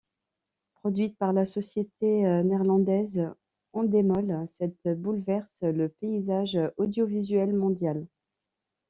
Produite par la société néerlandaise Endemol, cette bouleverse le paysage audiovisuel mondial.